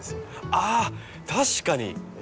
ああ確かに！